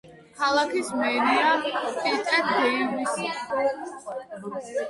ქალაქის მერია პიტერ დეივისი.